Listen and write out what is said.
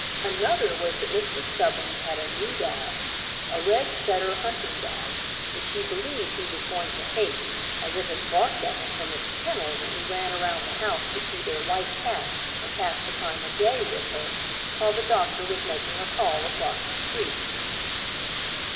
Another was that Mr. Stubbins had a new dog, a red setter hunting dog, which he believed he was going to hate as it had barked at him from its kennel when he ran around the house to see their white cat and pass the time of day with her while the doctor was making a call across the street.